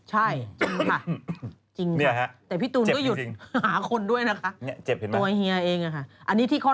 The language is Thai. ใช่ค่ะจริงค่ะ